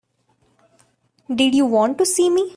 Did you want to see me?